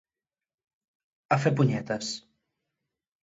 A fer punyetes.